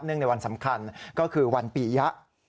เนื่องในวันสำคัญก็คือวันปียะ